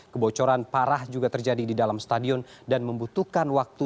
kebocoran parah juga terjadi di dalam stadion dan membutuhkan waktu